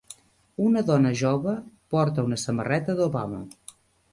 Una dona jove porta una samarreta d'Obama